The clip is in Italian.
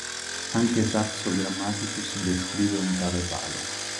Anche Saxo Grammaticus descrive un tale palo.